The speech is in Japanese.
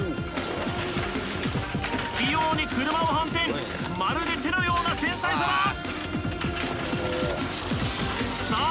器用に車を反転まるで手のような繊細さださあ